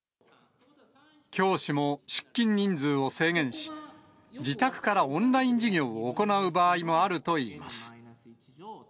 教師も出勤人数を制限し、自宅からオンライン授業を行う場合もあるといいます。